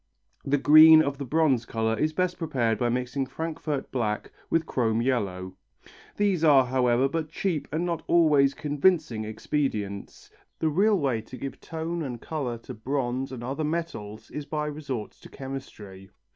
The green of the bronze colour is best prepared by mixing Frankfort black with chrome yellow. These are, however, but cheap and not always convincing expedients, the real way to give tone and colour to bronze and other metals is by resort to chemistry.